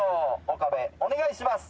岡部お願いします。